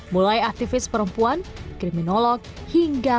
mulai aktivis perempuan kriminolog hingga